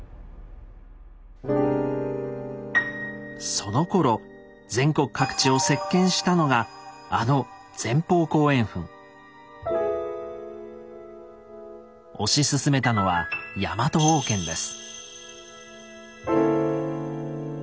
そのころ全国各地を席巻したのがあの推し進めたのは「ヤマト王権」です。